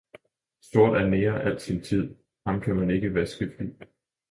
Sort er en neger al sin tid, ham kan man ikke vaske hvid